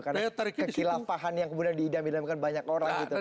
karena kekilapahan yang kemudian diidam idamkan banyak orang gitu pak